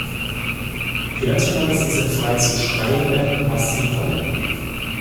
Finanzjournalisten sind frei zu schreiben, was sie wollen.